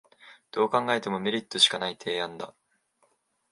どう考えてもメリットしかない提案だ